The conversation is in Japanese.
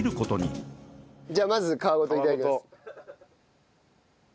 じゃあまず皮ごと頂きます。